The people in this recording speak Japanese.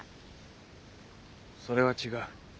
それは違う。